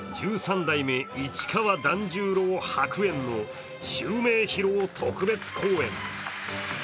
代目市川團十郎白猿の襲名披露特別公演。